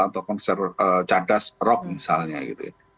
atau konser cadas rob misalnya gitu ya